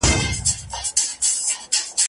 جنرالان او کرنیلان چي یې لرله